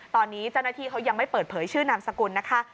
ตอนนี้เจ้าหน้าที่เขายังไม่เปิดเผยชื่อนามสกุลนะคะ